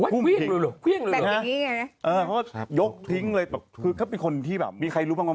พลิกต๊อกเต็มเสนอหมดเลยพลิกต๊อกเต็มเสนอหมดเลย